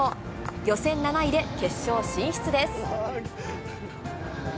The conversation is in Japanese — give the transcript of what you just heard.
予選７位で決勝進出です。